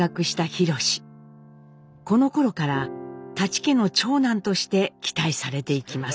このころから舘家の長男として期待されていきます。